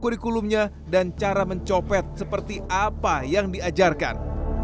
kurikulumnya dan cara mencopet seperti apa yang diajarkan